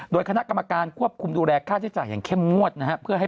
โดยคณะกรรมการควบคุมดูแลค่าใช้จ่ายอย่างเข้มงวดนะฮะ